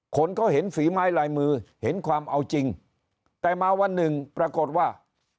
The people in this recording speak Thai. คนเขาเห็นฝีไม้ลายมือเห็นความเอาจริงแต่มาวันหนึ่งปรากฏว่า